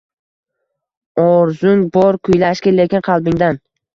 Orzung bor kuylashga, lekin qalbingdan